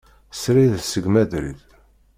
Srid seg Madrid.